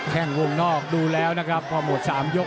แค่งวงนอกดูแล้วนะครับก็หมด๓ยก